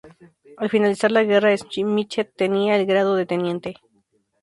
Al finalizar la guerra Schmidt tenía el grado de teniente.